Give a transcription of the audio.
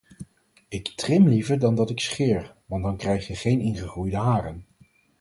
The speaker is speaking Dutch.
Ik trim liever dan dat ik scheer, want dan krijg je geen ingegroeide haren.